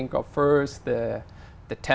nó không tốt